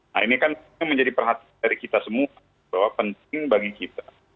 nah ini kan menjadi perhatian dari kita semua bahwa penting bagi kita